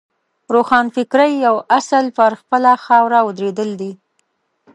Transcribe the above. روښانفکرۍ یو اصل پر خپله خاوره ودرېدل دي.